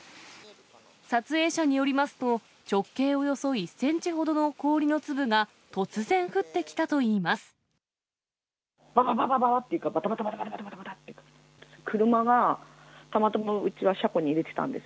撮影者によりますと、直径およそ１センチほどの氷の粒が突然降ってきたといいます。